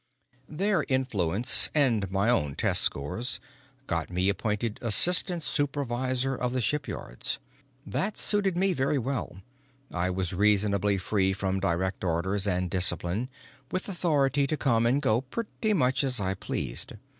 Their influence and my own test scores got me appointed assistant supervisor of the shipyards. That suited me very well I was reasonably free from direct orders and discipline, with authority to come and go pretty much as I pleased.